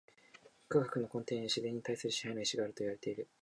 科学の根底には自然に対する支配の意志があるといわれている。